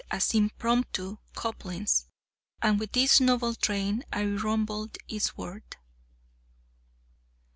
as impromptu couplings. And with this novel train, I rumbled eastward.